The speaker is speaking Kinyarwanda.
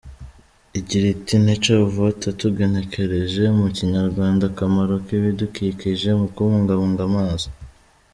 Igira iti “Nature for Water” tugenekereje mu Kinyarwanda “Akamaro k’Ibidukikije mu kubungabunga Amazi.